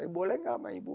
boleh nggak sama ibu